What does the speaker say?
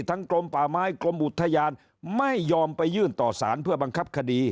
กรมป่าไม้กรมอุทยานไม่ยอมไปยื่นต่อสารเพื่อบังคับคดี